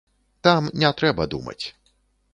Там не трэба думаць.